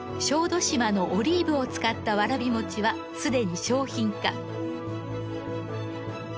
小豆島のオリーブを使ったわらび餅はすでに商品化。